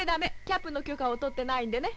キャップの許可を取ってないんでね。